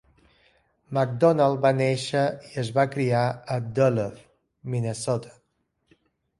McDonald va néixer i es va criar a Duluth, Minnesota.